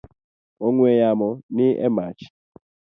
Ong’we yamo ni e mach.